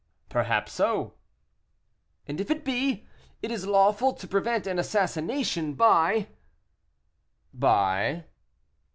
"Perhaps so." "And if it be, it is lawful to prevent an assassination by " "By?"